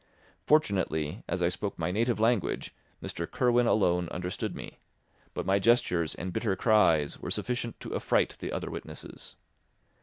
Fortunately, as I spoke my native language, Mr. Kirwin alone understood me; but my gestures and bitter cries were sufficient to affright the other witnesses.